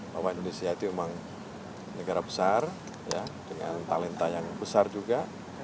bahwa indonesia itu memang negara besar dengan talenta yang besar juga